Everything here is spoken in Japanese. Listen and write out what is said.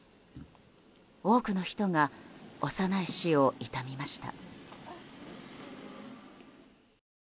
多くの人が幼い死を悼みました。